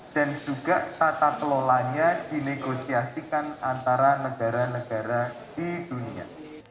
dan juga tata kelolanya dinegosiasikan antara negara negara lainnya